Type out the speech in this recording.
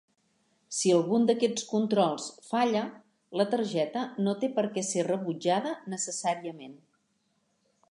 Si algun d'aquests controls falla, la targeta no té per què ser rebutjada necessàriament.